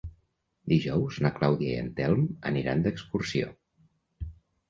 Dijous na Clàudia i en Telm aniran d'excursió.